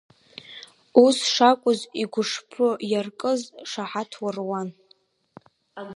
Ус шакәыз игәышԥы иаркыз шаҳаҭра руан.